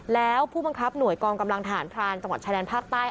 แล้วผู้บังคับหน่วยกองกำลังทหารพรานจังหวัดชายแดนภาคใต้